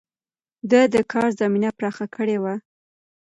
ده د کار زمينه پراخه کړې وه.